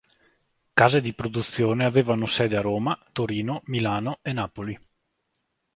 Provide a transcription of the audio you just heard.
Case di produzione avevano sede a Roma, Torino, Milano e Napoli.